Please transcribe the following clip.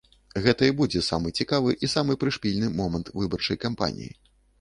Гэта і будзе самы цікавы і самы прышпільны момант выбарчай кампаніі.